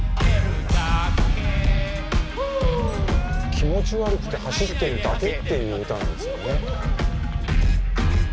「気持ち悪くて走ってるだけ」っていう歌なんですよね。